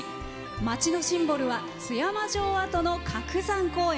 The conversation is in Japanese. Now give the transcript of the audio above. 町のシンボルは津山城跡の鶴山公園。